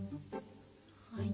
はい。